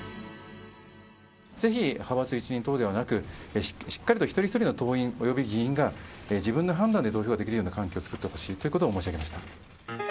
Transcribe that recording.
ぜひ派閥一任等ではなく、しっかりと一人一人の党員および議員が自分の判断で投票できるような環境を作ってほしいということを申し上げました。